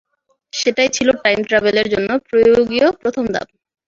সেটাই ছিল টাইম ট্রাভেলের জন্য প্রয়োগীয় প্রথম ধাপ।